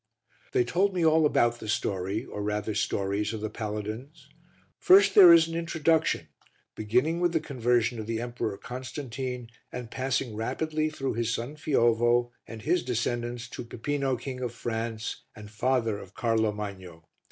They told me all about the story, or rather stories, of the paladins. First there is an Introduction beginning with the conversion of the Emperor Constantine, and passing rapidly through his son Fiovo and his descendants to Pipino King of France and father of Carlo Magno.